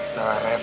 enggak lah ref